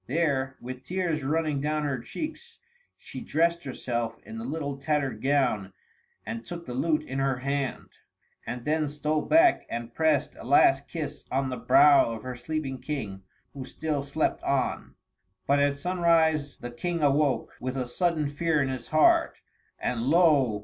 There, with tears running down her cheeks, she dressed herself in the little tattered gown and took the lute in her hand, and then stole back and pressed a last kiss on the brow of her sleeping King, who still slept on. But at sunrise the King awoke, with a sudden fear in his heart, and lo!